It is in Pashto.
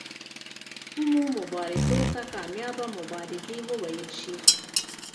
کومو مبارزو ته کامیابه مبارزې وویل شي.